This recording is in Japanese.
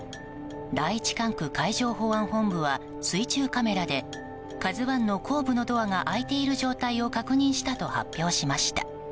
第１管区海上保安本部は水中カメラで「ＫＡＺＵ１」の後部のドアが開いている状態を確認したと発表しました。